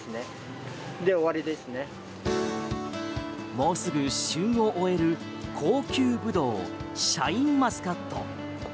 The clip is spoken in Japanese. もうすぐ旬を終える高級ブドウシャインマスカット。